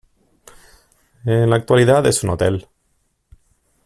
En la actualidad es un hotel.